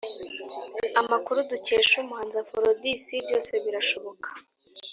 amakuru dukesha umuhanzi aphrodis byosebirashoboka,